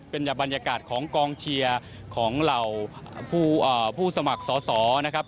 เป็นบรรยากาศของกองเชียร์ของเหล่าผู้สมัครสอสอนะครับ